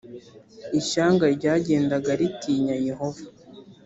ishyanga ryagendaga ritinya yehova